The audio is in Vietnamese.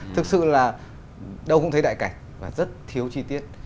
thực sự là đâu cũng thấy đại cảnh và rất thiếu chi tiết